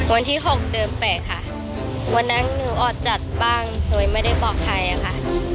วันที่๖เดิม๘ค่ะวันนั้นหนูออดจัดบ้างโดยไม่ได้บอกใครค่ะ